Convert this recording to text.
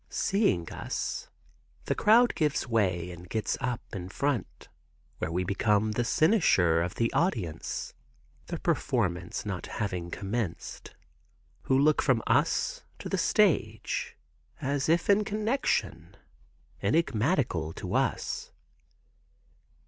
Seeing us, the crowd gives way, and gets up in front, where we become the cynosure of the audience (the performance not having commenced), who look from us to the stage, as if in connection, enigmatical to us.